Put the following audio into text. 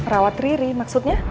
rawat riri maksudnya